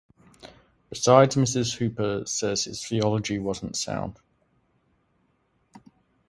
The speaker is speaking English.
Besides, Mrs. Hooper says his theology wasn’t sound.